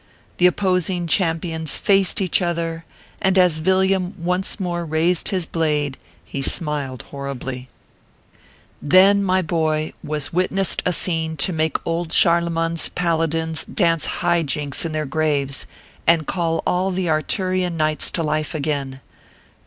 The opposing champions faced each other, and as Villiam once more raised his blade he smiled horribly. 12 266 ORPHEUS C. KERR PAPERS. Then, my boy, was witnessed a scene to make old Charlemagne s paladins dance High jinks in their graves, and call all the Arturian knights to life again.